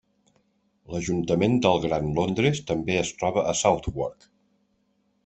L'ajuntament del Gran Londres també es troba a Southwark.